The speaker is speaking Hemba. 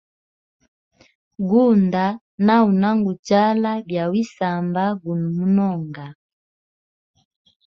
Gunda nda unanguchala bya wisamba guno munonga.